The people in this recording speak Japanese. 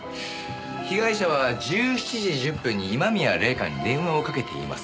被害者は１７時１０分に今宮礼夏に電話をかけています。